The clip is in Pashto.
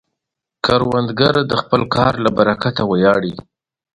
کروندګر د خپل کار له برکته ویاړي